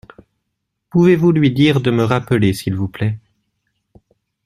Pouvez-vous lui dire de me rappeler s’il vous plait ?